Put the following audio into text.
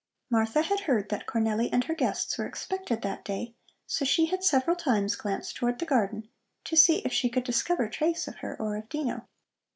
Martha had heard that Cornelli and her guests were expected that day, so she had several times glanced towards the garden to see if she could discover trace of her or of Dino.